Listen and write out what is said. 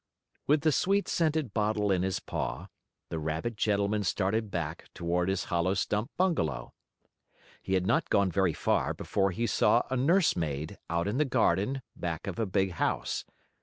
With the sweet scented bottle in his paw, the rabbit gentleman started back toward his hollow stump bungalow. He had not gone very far before he saw a nurse maid, out in the garden, back of a big house.